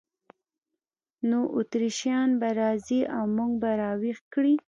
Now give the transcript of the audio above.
نو اتریشیان به راشي او موږ به را ویښ کړي.